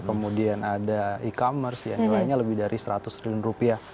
kemudian ada e commerce ya nilainya lebih dari seratus triliun rupiah